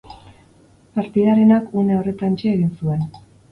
Partidarenak une horretantxe egin zuen.